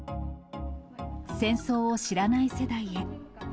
戦争を知らない世代へ。